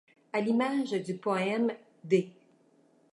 À l'image du poème d'E.